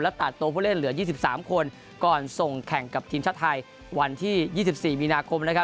ตัดตัวผู้เล่นเหลือ๒๓คนก่อนส่งแข่งกับทีมชาติไทยวันที่๒๔มีนาคมนะครับ